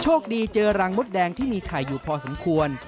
โชคดีเจอรังมดแดงที่มีไข่อยู่พอสมควร